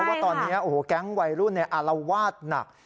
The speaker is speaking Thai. ว่าตอนนี้แก๊งวัยรุ่นเนี่ยอารวาดหนัก